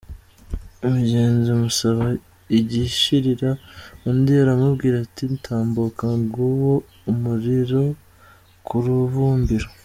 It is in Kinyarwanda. Umugenzi amusaba igishirira, undi aramubwira ati "Tambuka nguwo umuriro ku rubumbiro.